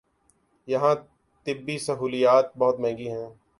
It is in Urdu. یہاں طبی سہولیات بہت مہنگی ہیں